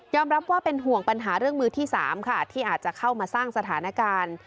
รับว่าเป็นห่วงปัญหาเรื่องมือที่๓ค่ะที่อาจจะเข้ามาสร้างสถานการณ์